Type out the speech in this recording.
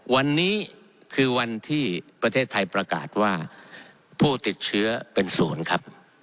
วันนี้คือวันที่ประเทศไทยประกาศว่าผู้ติดเชื้อเป็นศูนย์ครับ